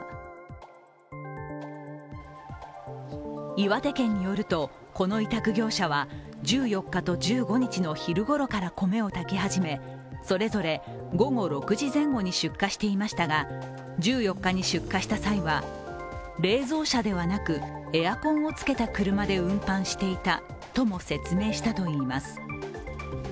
岩手県によると、この委託業者は１４日と１５日の昼ごろから米を炊き始めそれぞれ午後６時前後に出荷していましたが１４日に出荷した際は冷蔵車ではなくエアコンをつけた車で運搬していたとも説明したといいます。